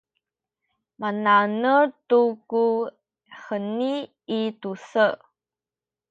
mana’nel tu ku heni i tu-se